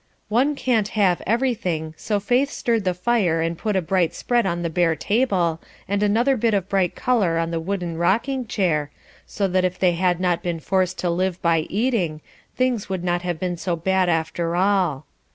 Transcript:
One can't have everything, so Faith stirred the fire and put a bright spread on the bare table, and another bit of bright colour on the wooden rocking chair, so that if they had not been forced to live by eating, things would not have been so bad after all.